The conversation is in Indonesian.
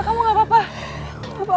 kamu gak apa apa